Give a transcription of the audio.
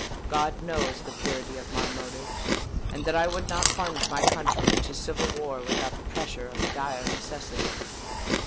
"God knows the purity of my motives, and that I would not plunge my country into civil war without the pressure of a dire necessity.